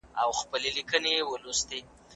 چي ښه، هلته دي شپه.